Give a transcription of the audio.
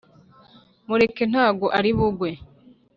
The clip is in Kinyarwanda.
Mureke ntago ari bugwe